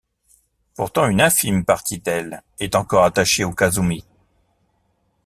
Pourtant, une infime partie d’elle est encore attachée à Kazumi.